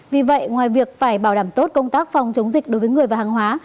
vì vậy ngoài việc phải bảo đảm tốt công tác phòng chống dịch đối với người và hàng hóa